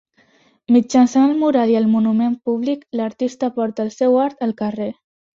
Mitjançant el mural i el monument públic, l'artista porta el seu art al carrer.